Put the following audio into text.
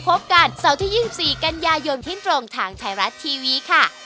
พบกันเสาร์ที่๒๔กันยายนที่ตรงทางไทยรัฐทีวีค่ะ